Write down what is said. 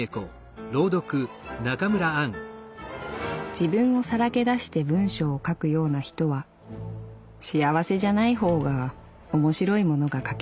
「自分をさらけだして文章を書くような人は幸せじゃないほうがおもしろいものが書ける。